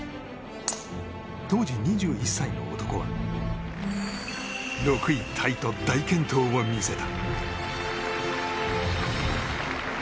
当時２１歳の男は６位タイと大健闘を見せた。